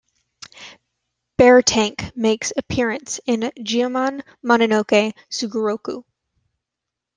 Beartank makes appearance in Goemon Mononoke Sugoroku.